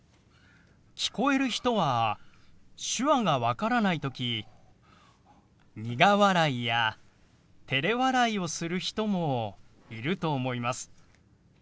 聞こえる人は手話が分からない時苦笑いやてれ笑いをする人もいると思います。